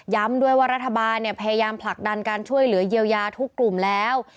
ด้วยว่ารัฐบาลพยายามผลักดันการช่วยเหลือเยียวยาทุกกลุ่มแล้ว